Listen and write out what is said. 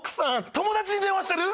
友達に電話してる！？